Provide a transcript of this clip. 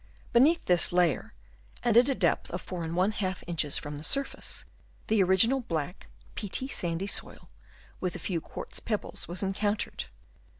Beneath this layer and at a depth of 4^ inches from the surface, the original black, peaty, sandy soil with a few quartz pebbles was encountered.